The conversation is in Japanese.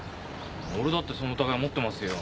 俺だってその疑い持ってますよ。